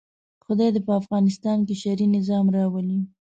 خدای دې په افغانستان کې شرعي نظام راولي.